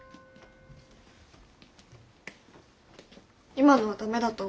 今のは駄目だと思う。